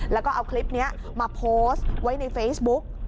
แล้วก็เอาคลิปนี้มาโพสต์ไว้ในเฟซบุ๊ก